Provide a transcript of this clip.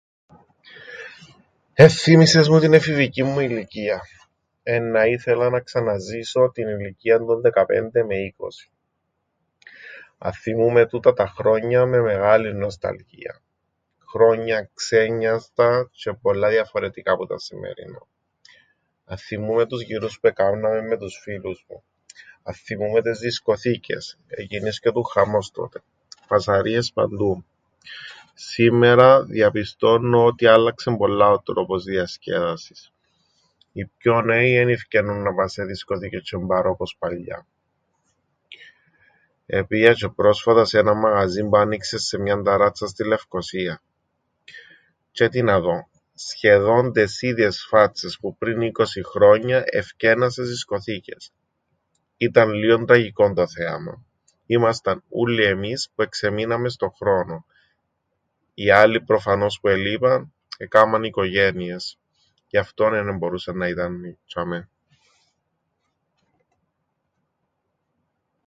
Εθθύμισες μου την εφηβικήν μου ηλικίαν! Εννά ήθελα να ξαναζήσω την ηλικίαν των δεκαπέντε με είκοσι. Αθθυμούμαι τούτα τα χρόνια με μεγάλην νοσταλγίαν. Χρόνια ξέννοιαστα τζ̆αι πολλά διαφορετικά που τα σημμερινά. Αθθυμούμαι τους γυρούς που εκάμναμεν με τους φίλους μου, αθθυμούμαι τες δισκοθήκες: εγινίσκετουν χαμός τότε, φασαρίες παντού. Σήμμερα διαπιστώννω ότι άλλαξεν πολλά ο τρόπος διασκέδασης. Οι πιο νέοι εν ι-φκαίννουν να παν σε δισκοθήκες τζ̆αι μπαρ όπως παλιά. Επήα τζ̆αι πρόσφατα σ' έναν μαγαζίν που άννοιξε σε μιαν ταράτσαν στην Λευκωσίαν. Τζ̆αι τι να δω; Σχεδόν τες ίδιες φάτσες που πριν είκοσι χρόνια εφκαίνναν στες δισκοθήκες! Ήταν λλίον τραγικόν το θέαμαν. Ήμασταν ούλλοι εμείς που εξεμείναμεν στον χρόνον. Οι άλλοι προφανώς που ελείπαν εκάμαν οικογένειες, γι' αυτόν εν εμπορούσαν να ήταν τζ̆ειαμαί.